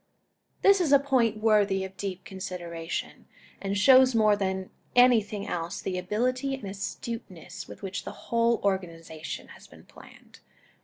This is a point worthy of deep consideration, and shows more than anything else, the ability and astuteness with which the whole organization has been planned.